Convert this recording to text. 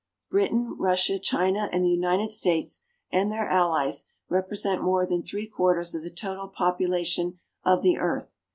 Britain, Russia, China and the United States and their Allies represent more than three quarters of the total population of the earth.